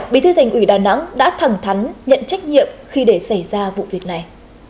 bí thư thành ủy đà nẵng đã thẳng thắn nhận trách nhiệm khi để xảy ra vụ việc này